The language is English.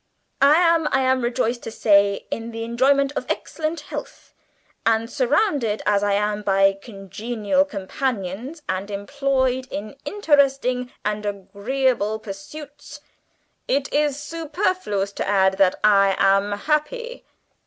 "I am, I am rejoiced to say, in the enjoyment of excellent health, and surrounded as I am by congenial companions, and employed in interesting and agreeable pursuits, it is superfluous to add that I am happy.